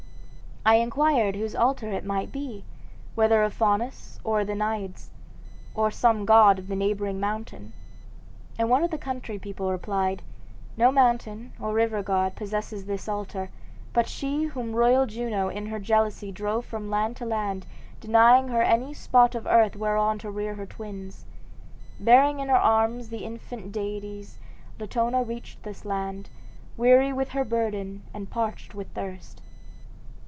I inquired whose altar it might be, whether of Faunus or the Naiads, or some god of the neighboring mountain, and one of the country people replied, 'No mountain or river god possesses this altar, but she whom royal Juno in her jealousy drove from land to land, denying her any spot of earth whereon to rear her twins. Bearing in her arms the infant deities, Latona reached this land, weary with her burden and parched with thirst.